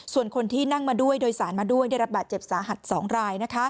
ส่วนคนที่นั่งมาด้วยโดยสารมาด้วยได้รับบาดเจ็บสาหัส๒ราย